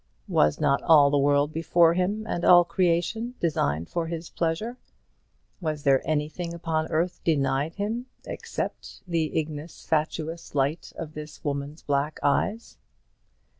Was not all the world before him, and all creation designed for his pleasure? Was there anything upon earth denied him, except the ignis fatuus light of this woman's black eyes?